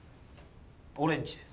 オレンジです。